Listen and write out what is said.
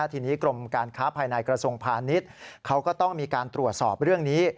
ทีนี้กรมการค้าภายในกระทรวงพาณิชย์เขาก็ต้องมีการตรวจสอบเรื่องนี้